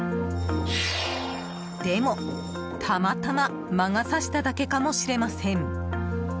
でも、たまたま魔が差しただけかもしれません。